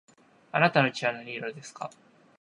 あなたの血の色は何色ですか